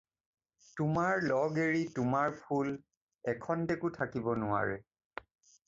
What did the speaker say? তোমাৰ লগ এৰি তোমাৰ ফুল এখন্তেকো থাকিব নোৱাৰে।